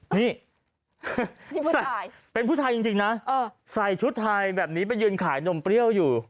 นี่ผู้ชายเป็นผู้ชายจริงนะใส่ชุดไทยแบบนี้ไปยืนขายนมเปรี้ยวอยู่